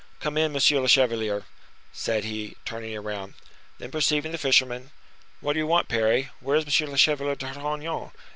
"Come in, monsieur le chevalier," said he, turning around. Then perceiving the fisherman, "What do you mean, Parry? Where is M. le Chevalier d'Artagnan?"